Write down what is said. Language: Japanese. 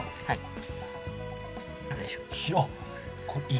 はい。